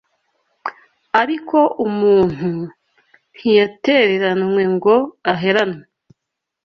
Ariko umuntu ntiyatereranywe ngo aheranwe